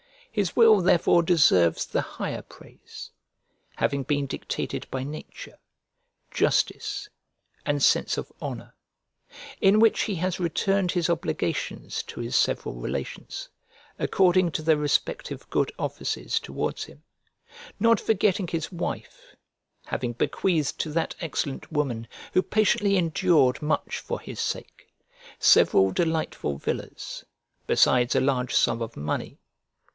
His will therefore deserves the higher praise, having been dictated by nature, justice, and sense of honour; in which he has returned his obligations to his several relations, according to their respective good offices towards him, not forgetting his wife, having bequeathed to that excellent woman, who patiently endured much for his sake, several delightful villas, besides a large sum of money.